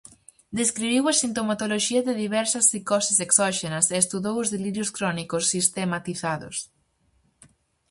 Describiu a sintomatoloxía de diversas psicoses exóxenas e estudou os delirios crónicos sistematizados.